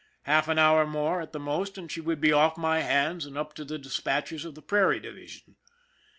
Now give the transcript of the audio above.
Half an hour more at the most, and she would be off my hands and up to the dispatchers of the Prairie Division.